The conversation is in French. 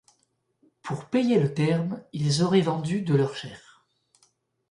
Pour payer le terme, ils auraient vendu de leur chair.